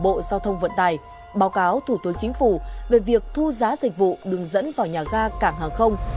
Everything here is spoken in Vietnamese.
bộ giao thông vận tải báo cáo thủ tướng chính phủ về việc thu giá dịch vụ đường dẫn vào nhà ga cảng hàng không